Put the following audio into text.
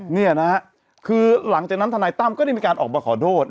นี่นะฮะคือหลังจากนั้นทนายตั้มก็ได้มีการออกมาขอโทษ